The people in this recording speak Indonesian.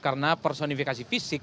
karena personifikasi fisik